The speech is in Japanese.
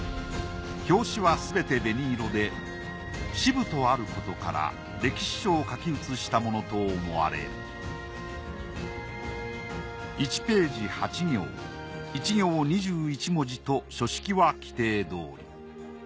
表紙はすべて紅色で「史部」とあることから歴史書を書き写したものと思われる１ページ８行１行２１文字と書式は規定どおり。